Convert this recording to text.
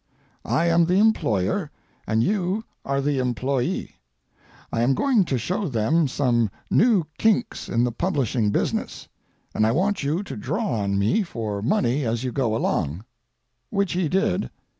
I am the employer, and you are the employee. I am going to show them some new kinks in the publishing business. And I want you to draw on me for money as you go along," which he did.